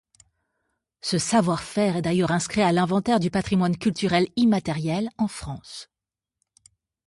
Ce savoir-faire est d'ailleurs inscrit à l'Inventaire du patrimoine culturel immatériel en France.